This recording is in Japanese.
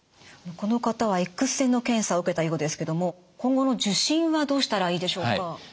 この方はＸ線の検査を受けたようですけども今後の受診はどうしたらいいでしょうか？